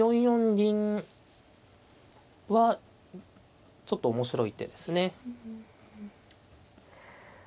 ４四銀はちょっと面白い手ですね。